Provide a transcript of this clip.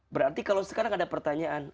berarti kalau sekarang ada pertanyaan